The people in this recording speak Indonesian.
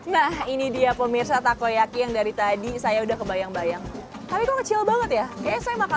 nah ini dia pemirsa takoyaki yang dari tadi saya udah kebayang bayang tapi kok kecil banget ya saya makan